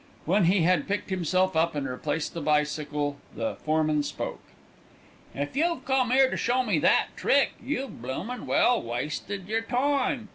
When he had picked himself up and replaced the bicycle the foreman spoke. "If you've come 'ere to show me that trick, you've bloomin' well wasted yer time.